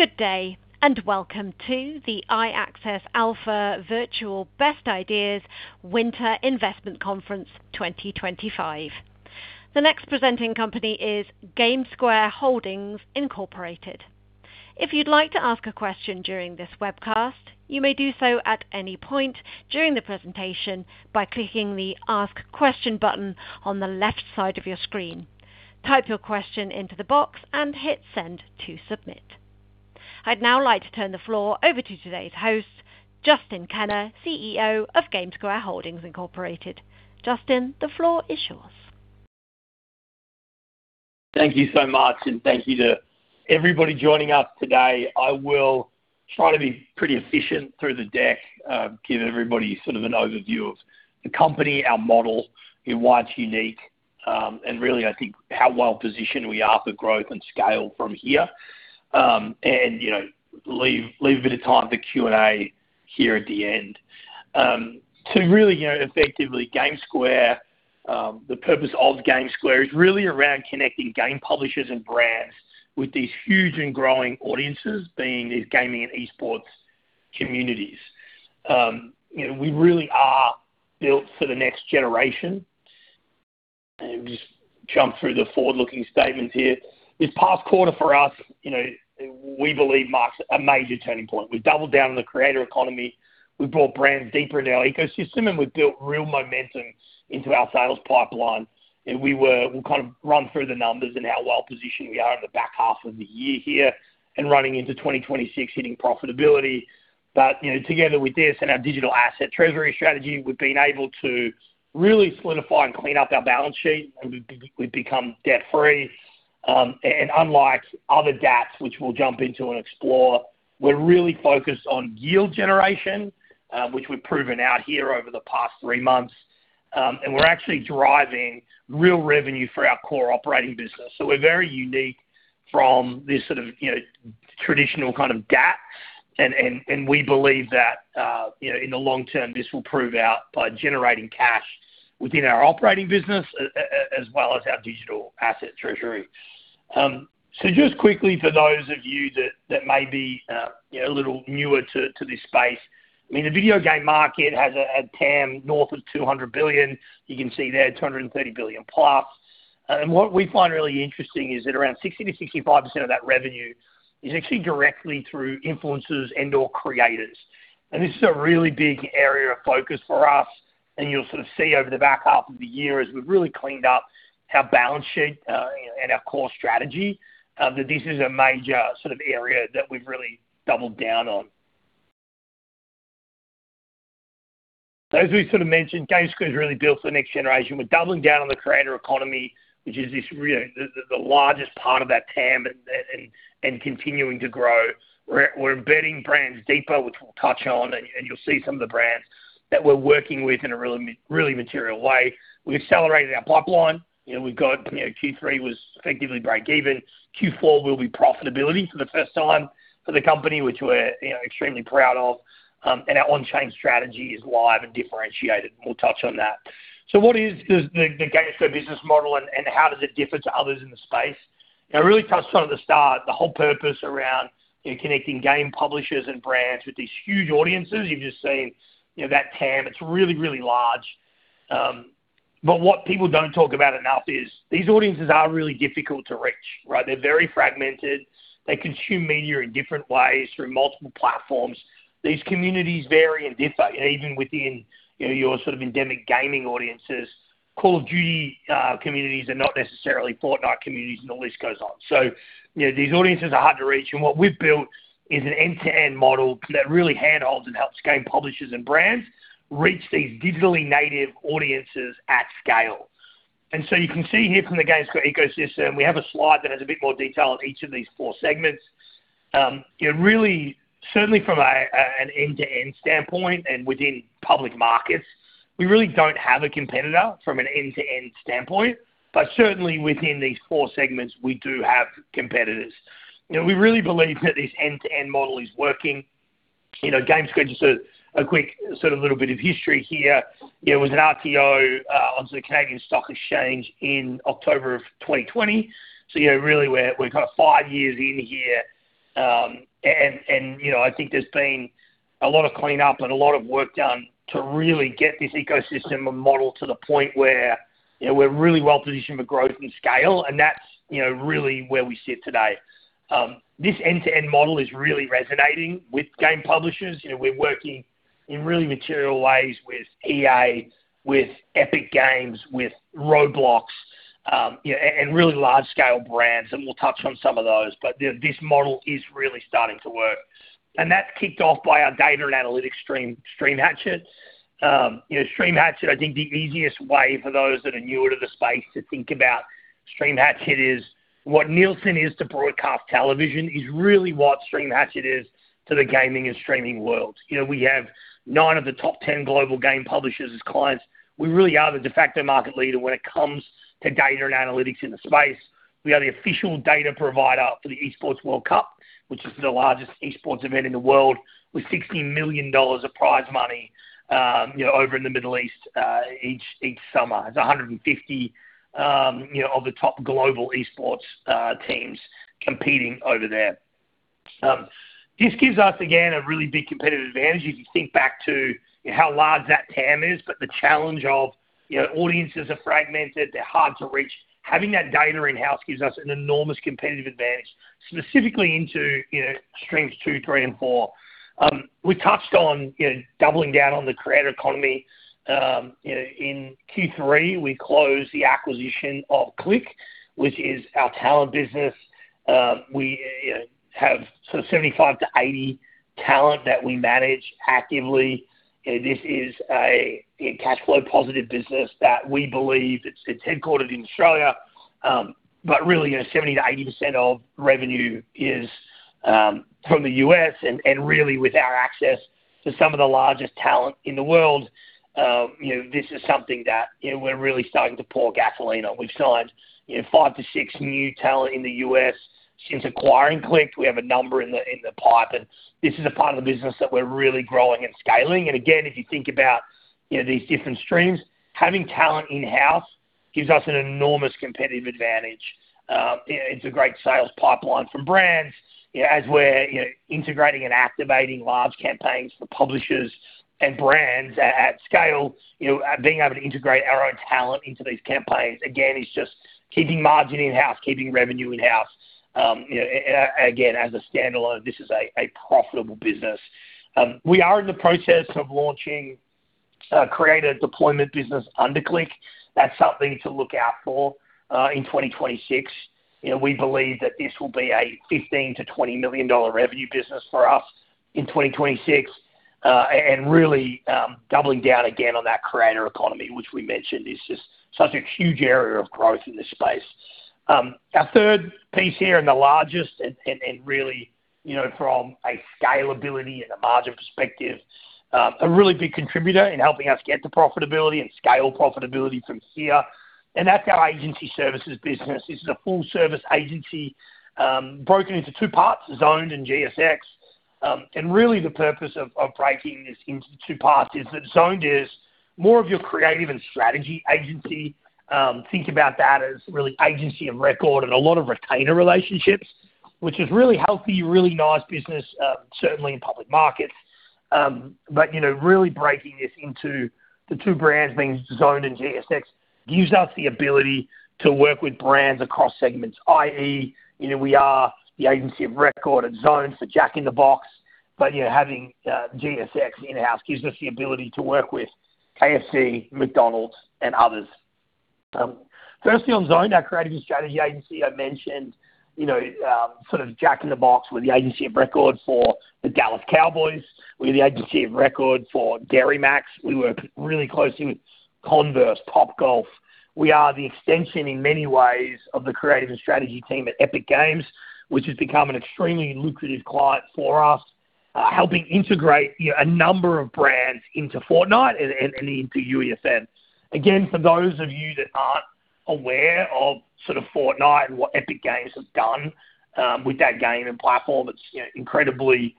Good day, and welcome to the iAccess Alpha Virtual Best Ideas Winter Investment Conference 2025. The next presenting company is GameSquare Holdings Incorporated. If you'd like to ask a question during this webcast, you may do so at any point during the presentation by clicking the Ask Question button on the left side of your screen. Type your question into the box and hit Send to submit. I'd now like to turn the floor over to today's host, Justin Kenna, CEO of GameSquare Holdings Incorporated. Justin, the floor is yours. Thank you so much, and thank you to everybody joining us today. I will try to be pretty efficient through the deck, give everybody sort of an overview of the company, our model, why it's unique, and really, I think, how well positioned we are for growth and scale from here, and leave a bit of time for Q&A here at the end. To really effectively, GameSquare, the purpose of GameSquare is really around connecting game publishers and brands with these huge and growing audiences, being these gaming and esports communities. We really are built for the next generation. Just jump through the forward-looking statements here. This past quarter for us, we believe, marked a major turning point. We doubled down on the creator economy. We brought brands deeper into our ecosystem, and we built real momentum into our sales pipeline. We will kind of run through the numbers and how well positioned we are in the back half of the year here and running into 2026, hitting profitability, but together with this and our digital asset treasury strategy, we've been able to really solidify and clean up our balance sheet, and we've become debt-free, and unlike other debts, which we'll jump into and explore, we're really focused on yield generation, which we've proven out here over the past three months, and we're actually driving real revenue for our core operating business, so we're very unique from this sort of traditional kind of debt, and we believe that in the long term, this will prove out by generating cash within our operating business as well as our digital asset treasury. So just quickly, for those of you that may be a little newer to this space, I mean, the video game market has a TAM north of $200 billion. You can see there, $230+ billion. And what we find really interesting is that around 60%-65% of that revenue is actually directly through influencers and/or creators. And this is a really big area of focus for us. And you'll sort of see over the back half of the year, as we've really cleaned up our balance sheet and our core strategy, that this is a major sort of area that we've really doubled down on. As we sort of mentioned, GameSquare is really built for the next generation. We're doubling down on the creator economy, which is the largest part of that TAM and continuing to grow. We're embedding brands deeper, which we'll touch on, and you'll see some of the brands that we're working with in a really material way. We've accelerated our pipeline. Q3 was effectively break-even. Q4 will be profitability for the first time for the company, which we're extremely proud of, and our on-chain strategy is live and differentiated. We'll touch on that, so what is the GameSquare business model, and how does it differ to others in the space? I really touched on at the start the whole purpose around connecting game publishers and brands with these huge audiences. You've just seen that TAM. It's really, really large, but what people don't talk about enough is these audiences are really difficult to reach, right? They're very fragmented. They consume media in different ways through multiple platforms. These communities vary and differ, even within your sort of endemic gaming audiences. Call of Duty communities are not necessarily Fortnite communities, and the list goes on, so these audiences are hard to reach. And what we've built is an end-to-end model that really handles and helps game publishers and brands reach these digitally native audiences at scale, and so you can see here from the GameSquare ecosystem, we have a slide that has a bit more detail on each of these four segments. Really, certainly from an end-to-end standpoint and within public markets, we really don't have a competitor from an end-to-end standpoint, but certainly within these four segments, we do have competitors. We really believe that this end-to-end model is working. GameSquare, just a quick sort of little bit of history here. It was an RTO onto the Canadian Stock Exchange in October of 2020, so really, we're kind of five years in here. And I think there's been a lot of cleanup and a lot of work done to really get this ecosystem and model to the point where we're really well positioned for growth and scale. And that's really where we sit today. This end-to-end model is really resonating with game publishers. We're working in really material ways with EA, with Epic Games, with Roblox, and really large-scale brands. And we'll touch on some of those. But this model is really starting to work. And that's kicked off by our data and analytics Stream Hatchet. Stream Hatchet, I think the easiest way for those that are newer to the space to think about Stream Hatchet is what Nielsen is to broadcast television is really what Stream Hatchet is to the gaming and streaming world. We have nine of the top 10 global game publishers as clients. We really are the de facto market leader when it comes to data and analytics in the space. We are the official data provider for the esports World Cup, which is the largest esports event in the world, with $60 million of prize money over in the Middle East each summer. It's 150 of the top global esports teams competing over there. This gives us, again, a really big competitive advantage. If you think back to how large that TAM is, but the challenge of audiences are fragmented, they're hard to reach, having that data in-house gives us an enormous competitive advantage, specifically into streams two, three, and four. We touched on doubling down on the creator economy. In Q3, we closed the acquisition of Click, which is our talent business. We have sort of 75-80 talent that we manage actively. This is a cash flow positive business that we believe it's headquartered in Australia. But really, 70%-80% of revenue is from the U.S. And really, with our access to some of the largest talent in the world, this is something that we're really starting to pour gasoline on. We've signed five to six new talent in the U.S. since acquiring Click. We have a number in the pipe. And this is a part of the business that we're really growing and scaling. And again, if you think about these different streams, having talent in-house gives us an enormous competitive advantage. It's a great sales pipeline for brands. As we're integrating and activating large campaigns for publishers and brands at scale, being able to integrate our own talent into these campaigns, again, is just keeping margin in-house, keeping revenue in-house. Again, as a standalone, this is a profitable business. We are in the process of launching a creator deployment business under Click. That's something to look out for in 2026. We believe that this will be a $15-$20 million revenue business for us in 2026. And really, doubling down again on that creator economy, which we mentioned, is just such a huge area of growth in this space. Our third piece here and the largest, and really from a scalability and a margin perspective, a really big contributor in helping us get to profitability and scale profitability from here. And that's our agency services business. This is a full-service agency broken into two parts, Zoned and GSX. And really, the purpose of breaking this into two parts is that Zoned is more of your creative and strategy agency. Think about that as really agency of record and a lot of retainer relationships, which is really healthy, really nice business, certainly in public markets. But really breaking this into the two brands, being Zoned and GSX, gives us the ability to work with brands across segments, i.e., we are the agency of record at Zoned for Jack in the Box, but having GSX in-house gives us the ability to work with KFC, McDonald's, and others. Firstly, on Zoned, our creative and strategy agency, I mentioned sort of Jack in the Box with the agency of record for the Dallas Cowboys. We are the agency of record for Dairy MAX. We work really closely with Converse, Topgolf. We are the extension in many ways of the creative and strategy team at Epic Games, which has become an extremely lucrative client for us, helping integrate a number of brands into Fortnite and into UEFN. Again, for those of you that aren't aware of sort of Fortnite and what Epic Games has done with that game and platform, it's incredibly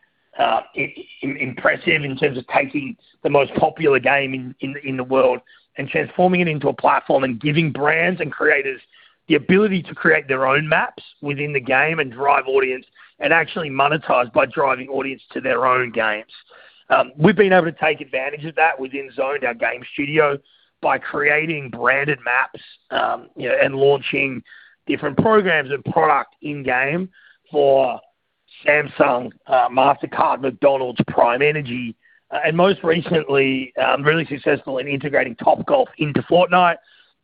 impressive in terms of taking the most popular game in the world and transforming it into a platform and giving brands and creators the ability to create their own maps within the game and drive audience and actually monetize by driving audience to their own games. We've been able to take advantage of that within Zoned, our game studio, by creating branded maps and launching different programs and products in-game for Samsung, Mastercard, McDonald's, Prime Energy, and most recently, really successful in integrating Topgolf into Fortnite,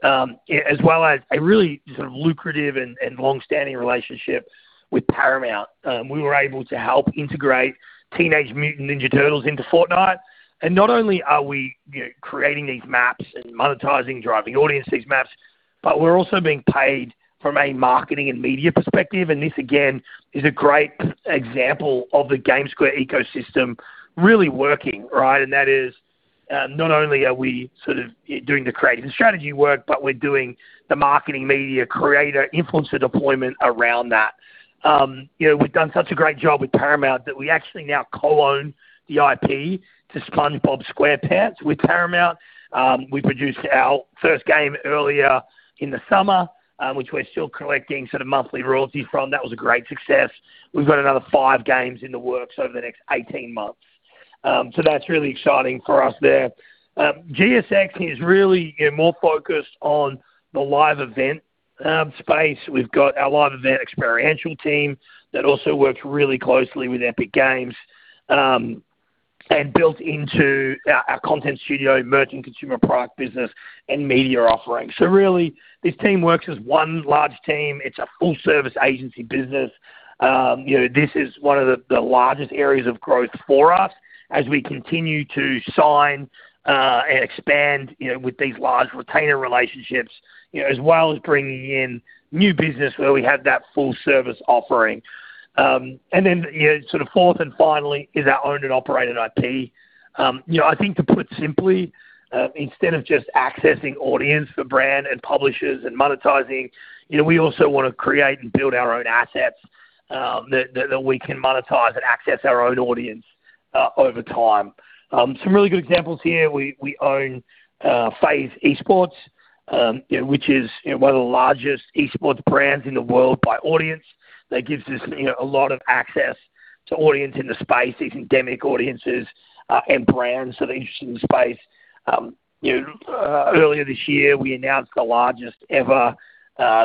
as well as a really sort of lucrative and long-standing relationship with Paramount. We were able to help integrate Teenage Mutant Ninja Turtles into Fortnite. And not only are we creating these maps and monetizing, driving audience to these maps, but we're also being paid from a marketing and media perspective. And this, again, is a great example of the GameSquare ecosystem really working, right? And that is not only are we sort of doing the creative and strategy work, but we're doing the marketing, media, creator, influencer deployment around that. We've done such a great job with Paramount that we actually now co-own the IP to SpongeBob SquarePants with Paramount. We produced our first game earlier in the summer, which we're still collecting sort of monthly royalty from. That was a great success. We've got another five games in the works over the next 18 months. So that's really exciting for us there. GSX is really more focused on the live event space. We've got our live event experiential team that also works really closely with Epic Games and built into our content studio, merchant, consumer product business, and media offering. So really, this team works as one large team. It's a full-service agency business. This is one of the largest areas of growth for us as we continue to sign and expand with these large retainer relationships, as well as bringing in new business where we have that full-service offering, and then sort of fourth and finally is our owned and operated IP. I think to put simply, instead of just accessing audience for brand and publishers and monetizing, we also want to create and build our own assets that we can monetize and access our own audience over time. Some really good examples here. We own FaZe esports, which is one of the largest esports brands in the world by audience. That gives us a lot of access to audience in the space, these endemic audiences and brands that are interested in the space. Earlier this year, we announced the largest ever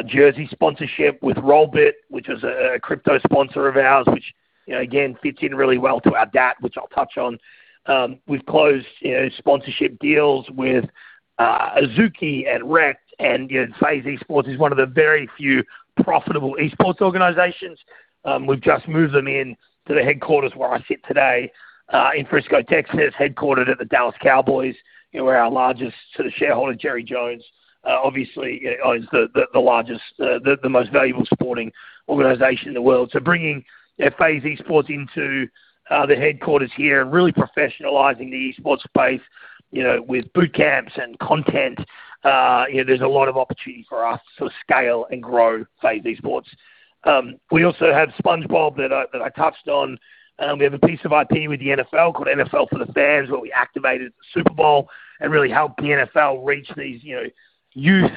Jersey sponsorship with Rollbit, which was a crypto sponsor of ours, which again fits in really well to our DAT, which I'll touch on. We've closed sponsorship deals with Azuki and Rekt. And FaZe esports is one of the very few profitable esports organizations. We've just moved them into the headquarters where I sit today in Frisco, Texas, headquartered at the Dallas Cowboys, where our largest sort of shareholder, Jerry Jones, obviously owns the most valuable sporting organization in the world. So bringing FaZe esports into the headquarters here and really professionalizing the esports space with boot camps and content, there's a lot of opportunity for us to scale and grow FaZe esports. We also have SpongeBob that I touched on. We have a piece of IP with the NFL called NFL 4 THE FANS, where we activated the Super Bowl and really helped the NFL reach these youth,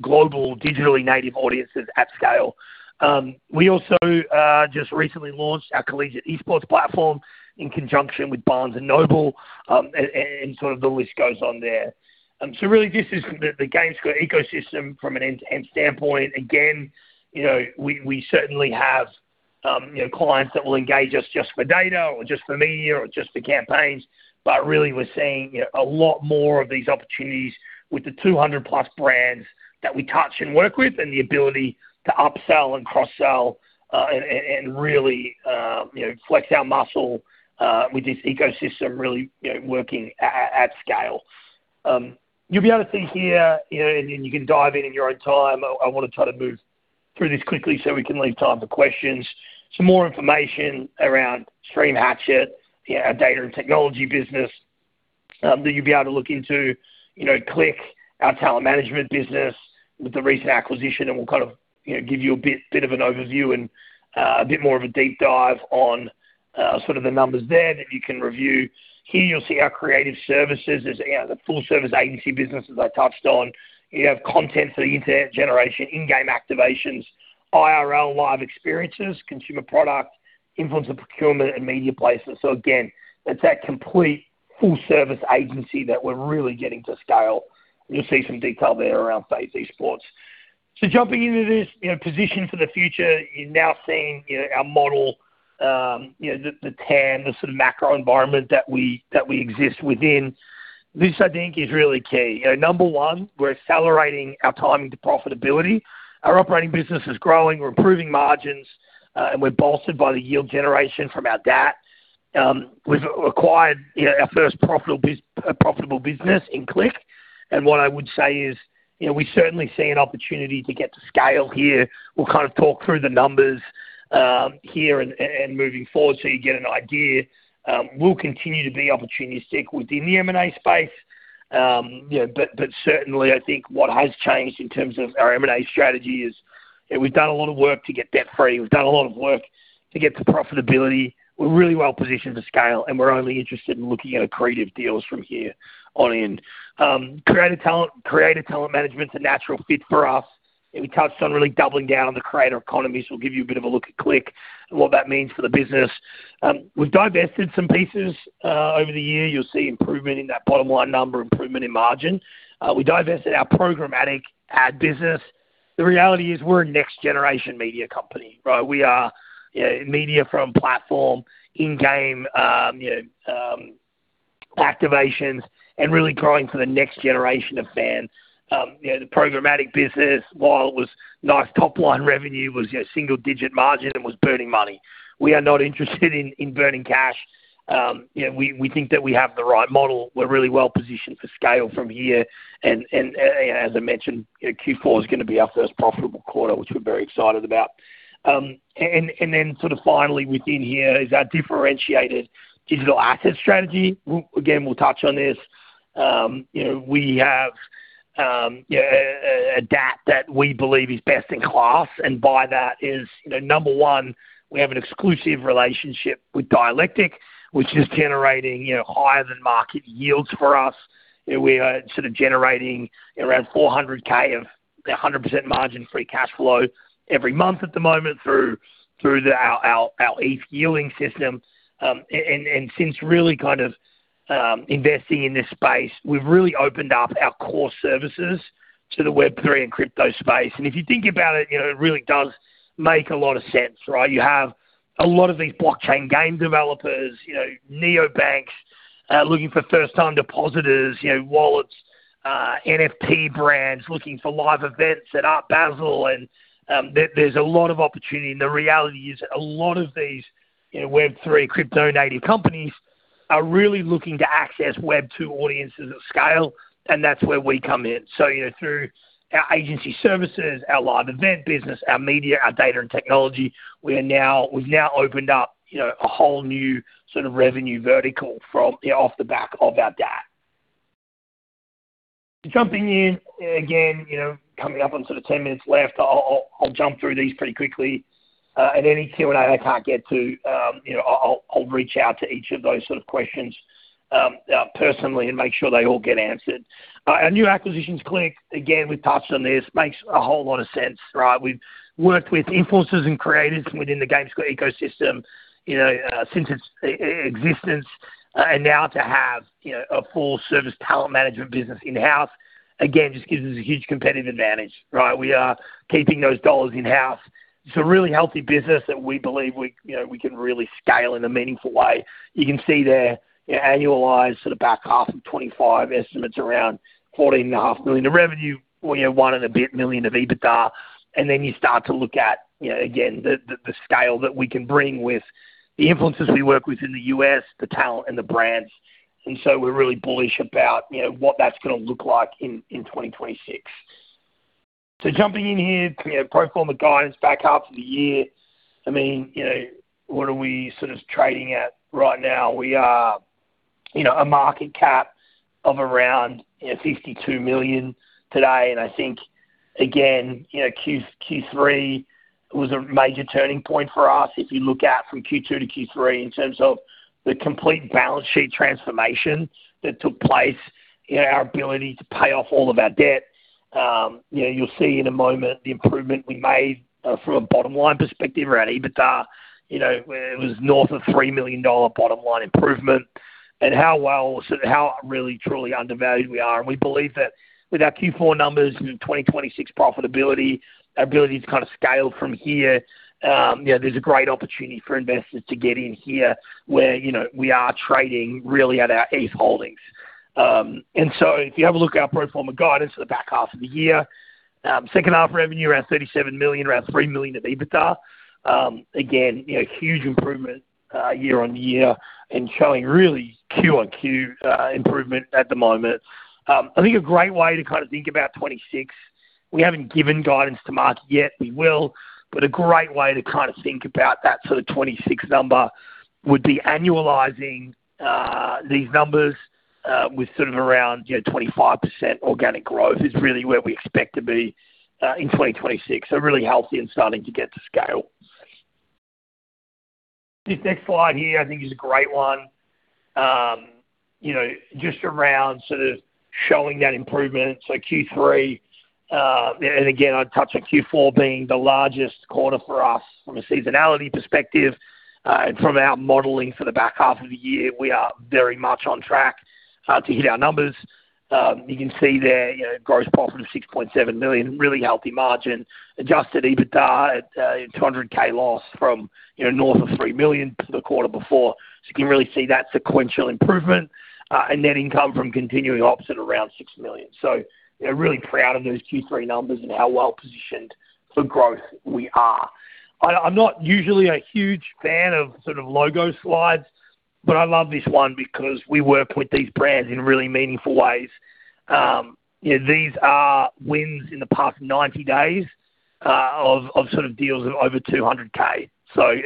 global, digitally native audiences at scale. We also just recently launched our collegiate esports platform in conjunction with Barnes & Noble, and sort of the list goes on there. So really, this is the GameSquare ecosystem from an end-to-end standpoint. Again, we certainly have clients that will engage us just for data or just for media or just for campaigns. But really, we're seeing a lot more of these opportunities with the 200-plus brands that we touch and work with and the ability to upsell and cross-sell and really flex our muscle with this ecosystem really working at scale. You'll be able to see here, and you can dive in in your own time. I want to try to move through this quickly so we can leave time for questions. Some more information around Stream Hatchet, our data and technology business that you'll be able to look into. Click, our talent management business with the recent acquisition, and we'll kind of give you a bit of an overview and a bit more of a deep dive on sort of the numbers there that you can review. Here you'll see our creative services. There's a full-service agency business as I touched on. You have content for the internet generation, in-game activations, IRL live experiences, consumer product, influencer procurement, and media placement. So again, it's that complete full-service agency that we're really getting to scale. You'll see some detail there around FaZe esports. So jumping into this position for the future, you're now seeing our model, the TAM, the sort of macro environment that we exist within. This, I think, is really key. Number one, we're accelerating our timing to profitability. Our operating business is growing. We're improving margins, and we're bolstered by the yield generation from our DAT. We've acquired our first profitable business in Click. And what I would say is we certainly see an opportunity to get to scale here. We'll kind of talk through the numbers here and moving forward so you get an idea. We'll continue to be opportunistic within the M&A space. But certainly, I think what has changed in terms of our M&A strategy is we've done a lot of work to get debt free. We've done a lot of work to get to profitability. We're really well positioned to scale, and we're only interested in looking at accretive deals from here on in. Creator talent management is a natural fit for us. We touched on really doubling down on the creator economy. So we'll give you a bit of a look at Click and what that means for the business. We've divested some pieces over the year. You'll see improvement in that bottom line number, improvement in margin. We divested our programmatic ad business. The reality is we're a next-generation media company, right? We are media from platform, in-game activations, and really growing for the next generation of fans. The programmatic business, while it was nice top-line revenue, was single-digit margin and was burning money. We are not interested in burning cash. We think that we have the right model. We're really well positioned for scale from here. As I mentioned, Q4 is going to be our first profitable quarter, which we're very excited about. Then sort of finally within here is our differentiated digital asset strategy. Again, we'll touch on this. We have a DAT that we believe is best in class. By that, number one, we have an exclusive relationship with Dialectic, which is generating higher-than-market yields for us. We are sort of generating around $400,000 of 100% margin-free cash flow every month at the moment through our ETH yielding system. Since really kind of investing in this space, we've really opened up our core services to the Web3 and crypto space. If you think about it, it really does make a lot of sense, right? You have a lot of these blockchain game developers, neobanks looking for first-time depositors, wallets, NFT brands looking for live events at Art Basel. There's a lot of opportunity. The reality is that a lot of these Web3 crypto-native companies are really looking to access Web2 audiences at scale. That's where we come in. So through our agency services, our live event business, our media, our data and technology, we've now opened up a whole new sort of revenue vertical off the back of our DAT. Jumping in again, coming up on sort of 10 minutes left, I'll jump through these pretty quickly. At any Q&A I can't get to, I'll reach out to each of those sort of questions personally and make sure they all get answered. Our new acquisitions, Click, again, we've touched on this, makes a whole lot of sense, right? We've worked with influencers and creators within the GameSquare ecosystem since its existence. And now to have a full-service talent management business in-house, again, just gives us a huge competitive advantage, right? We are keeping those dollars in-house. It's a really healthy business that we believe we can really scale in a meaningful way. You can see there annualized sort of back half of 2025 estimates around $14.5 million of revenue, $1 and a bit million of EBITDA. And then you start to look at, again, the scale that we can bring with the influencers we work with in the U.S., the talent, and the brands. And so we're really bullish about what that's going to look like in 2026. So jumping in here, pro forma guidance back half of the year. I mean, what are we sort of trading at right now? We are a market cap of around $52 million today. And I think, again, Q3 was a major turning point for us. If you look at from Q2 to Q3 in terms of the complete balance sheet transformation that took place in our ability to pay off all of our debt, you'll see in a moment the improvement we made from a bottom line perspective around EBITDA. It was north of $3 million bottom line improvement. And how well sort of how really, truly undervalued we are. And we believe that with our Q4 numbers and 2026 profitability, our ability to kind of scale from here, there's a great opportunity for investors to get in here where we are trading really at our ETH holdings. And so if you have a look at our pro forma guidance for the back half of the year, second half revenue around $37 million, around $3 million of EBITDA. Again, huge improvement year on year and showing really Q on Q improvement at the moment. I think a great way to kind of think about 2026. We haven't given guidance to market yet. We will. But a great way to kind of think about that sort of 2026 number would be annualizing these numbers with sort of around 25% organic growth is really where we expect to be in 2026. So really healthy and starting to get to scale. This next slide here, I think, is a great one just around sort of showing that improvement. So Q3, and again, I'd touch on Q4 being the largest quarter for us from a seasonality perspective. And from our modeling for the back half of the year, we are very much on track to hit our numbers. You can see their gross profit of $6.7 million, really healthy margin, adjusted EBITDA at $200,000 loss from north of $3 million to the quarter before. You can really see that sequential improvement and net income from continuing ops at around $6 million. Really proud of those Q3 numbers and how well positioned for growth we are. I'm not usually a huge fan of sort of logo slides, but I love this one because we work with these brands in really meaningful ways. These are wins in the past 90 days of sort of deals of over $200,000.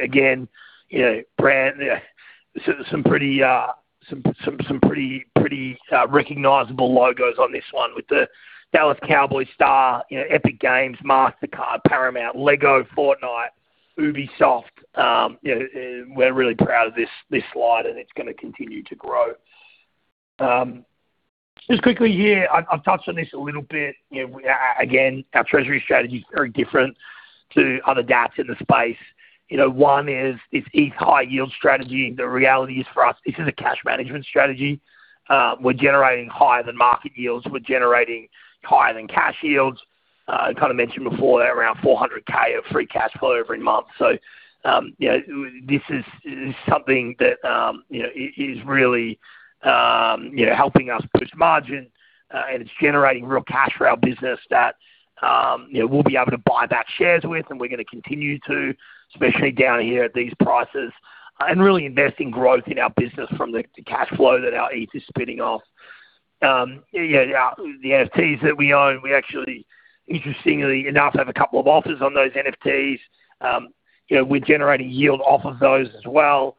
Again, some pretty recognizable logos on this one with the Dallas Cowboys star, Epic Games, Mastercard, Paramount, LEGO Fortnite, Ubisoft. We're really proud of this slide, and it's going to continue to grow. Just quickly here, I've touched on this a little bit. Again, our treasury strategy is very different to other DATs in the space. One is this ETH high yield strategy. The reality is for us, this is a cash management strategy. We're generating higher-than-market yields. We're generating higher-than-cash yields. Kind of mentioned before, around $400,000 of free cash flow every month. So this is something that is really helping us push margin, and it's generating real cash for our business that we'll be able to buy back shares with, and we're going to continue to, especially down here at these prices, and really invest in growth in our business from the cash flow that our ETH is spitting off. The NFTs that we own, we actually, interestingly enough, have a couple of offers on those NFTs. We're generating yield off of those as well.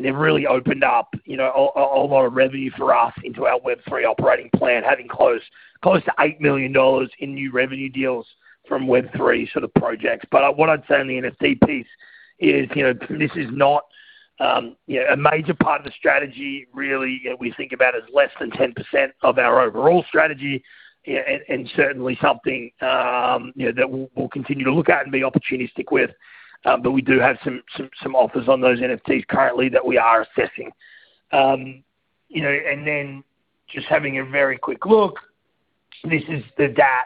They've really opened up a lot of revenue for us into our Web3 operating plan, having close to $8 million in new revenue deals from Web3 sort of projects. What I'd say on the NFT piece is this is not a major part of the strategy. Really, we think about as less than 10% of our overall strategy and certainly something that we'll continue to look at and be opportunistic with. We do have some offers on those NFTs currently that we are assessing. Then just having a very quick look, this is the DAT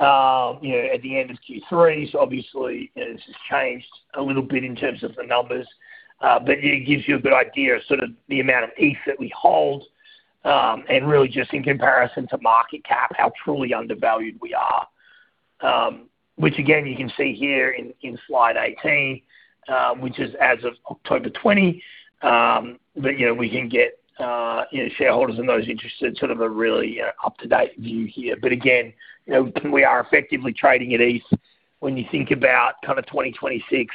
at the end of Q3. Obviously, this has changed a little bit in terms of the numbers. But it gives you a good idea of sort of the amount of ETH that we hold and really just in comparison to market cap, how truly undervalued we are, which again, you can see here in slide 18, which is as of October 20. But we can get shareholders and those interested sort of a really up-to-date view here. But again, we are effectively trading at ETH. When you think about kind of 2026,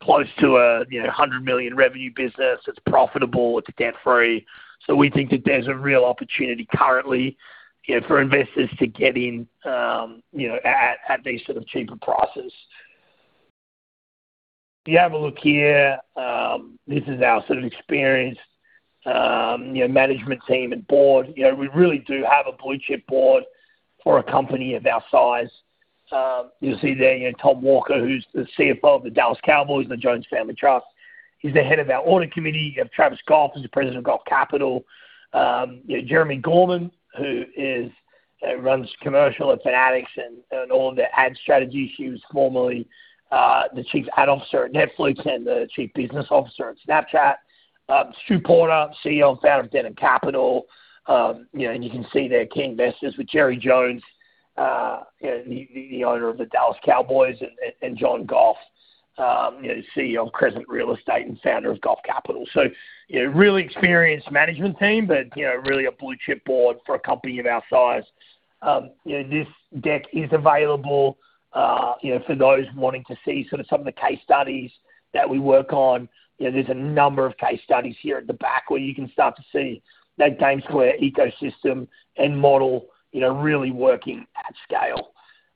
close to a $100 million revenue business, it's profitable. It's debt-free. So we think that there's a real opportunity currently for investors to get in at these sort of cheaper prices. You have a look here. This is our sort of experienced management team and board. We really do have a blue-chip board for a company of our size. You'll see there Tom Walker, who's the CFO of the Dallas Cowboys and the Jones Family Trust. He's the head of our audit committee. You have Travis Goff, who's the president of Goff Capital. Jeremi Gorman, who runs commercial at Fanatics and all of the ad strategy. He was formerly the chief ad officer at Netflix and the chief business officer at Snapchat. Stu Porter, CEO and founder of Denham Capital. And you can see there are key investors with Jerry Jones, the owner of the Dallas Cowboys, and John Goff, CEO and Crescent Real Estate and founder of Goff Capital. So really experienced management team, but really a blue-chip board for a company of our size. This deck is available for those wanting to see sort of some of the case studies that we work on. There's a number of case studies here at the back where you can start to see that GameSquare ecosystem and model really working at scale.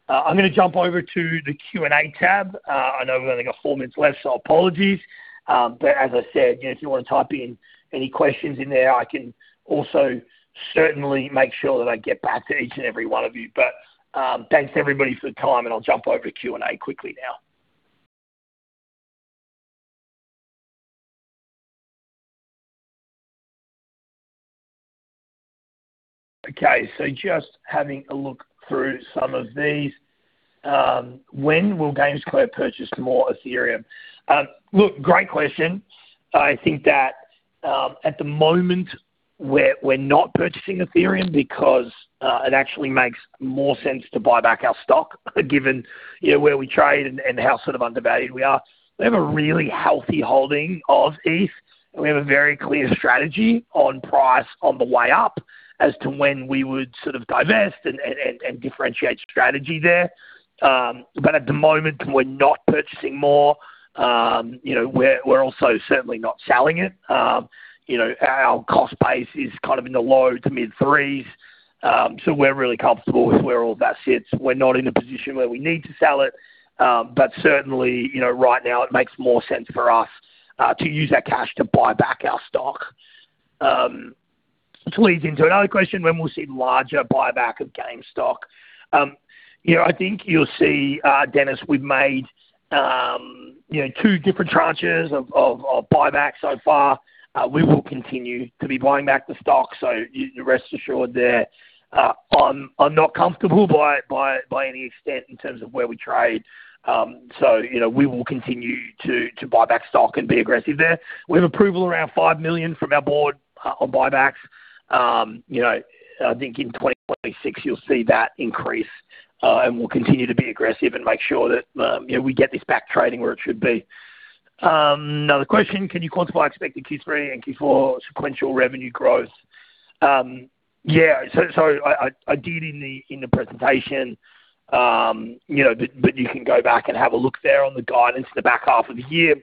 I'm going to jump over to the Q&A tab. I know we've only got four minutes left, so apologies. But as I said, if you want to type in any questions in there, I can also certainly make sure that I get back to each and every one of you. But thanks to everybody for the time, and I'll jump over to Q&A quickly now. Okay. So just having a look through some of these. When will GameSquare purchase more Ethereum? Look, great question. I think that at the moment, we're not purchasing Ethereum because it actually makes more sense to buy back our stock given where we trade and how sort of undervalued we are. We have a really healthy holding of ETH. We have a very clear strategy on price on the way up as to when we would sort of divest and differentiate strategy there. But at the moment, we're not purchasing more. We're also certainly not selling it. Our cost base is kind of in the low to mid-threes. So we're really comfortable with where all that sits. We're not in a position where we need to sell it. But certainly, right now, it makes more sense for us to use that cash to buy back our stock. Leads into another question, when we'll see larger buyback of Game stock? I think you'll see, Dennis, we've made two different tranches of buyback so far. We will continue to be buying back the stock. So rest assured there, I'm not comfortable by any extent in terms of where we trade. So we will continue to buy back stock and be aggressive there. We have approval around five million from our board on buybacks. I think in 2026, you'll see that increase. And we'll continue to be aggressive and make sure that we get this back trading where it should be. Another question, can you quantify expected Q3 and Q4 sequential revenue growth? Yeah. So I did in the presentation, but you can go back and have a look there on the guidance in the back half of the year.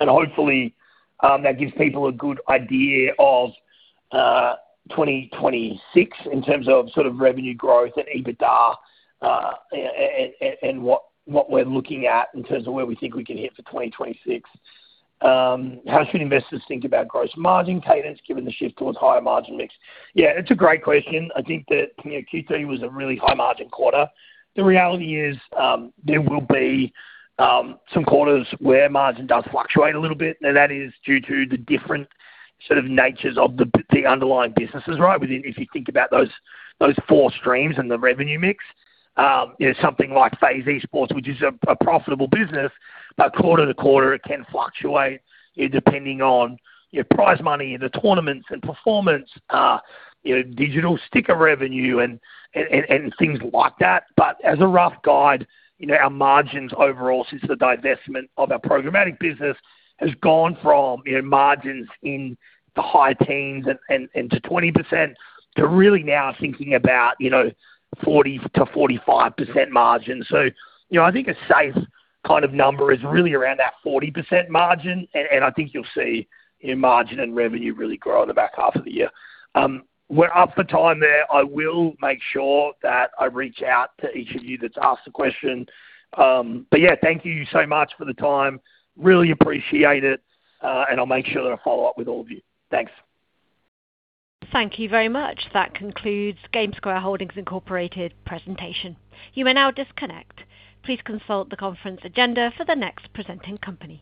And hopefully, that gives people a good idea of 2026 in terms of sort of revenue growth and EBITDA and what we're looking at in terms of where we think we can hit for 2026. How should investors think about gross margin cadence given the shift towards higher margin mix? Yeah, it's a great question. I think that Q3 was a really high-margin quarter. The reality is there will be some quarters where margin does fluctuate a little bit, and that is due to the different sort of natures of the underlying businesses, right? If you think about those four streams and the revenue mix, something like FaZe esports, which is a profitable business, but quarter to quarter, it can fluctuate depending on prize money and the tournaments and performance, digital sticker revenue, and things like that, but as a rough guide, our margins overall, since the divestment of our programmatic business, has gone from margins in the high teens and to 20% to really now thinking about 40%-45% margin, so I think a safe kind of number is really around that 40% margin, and I think you'll see margin and revenue really grow in the back half of the year. We're up for time there. I will make sure that I reach out to each of you that's asked the question. But yeah, thank you so much for the time. Really appreciate it. And I'll make sure that I follow up with all of you. Thanks. Thank you very much. That concludes GameSquare Holdings, Inc. presentation. You may now disconnect. Please consult the conference agenda for the next presenting company.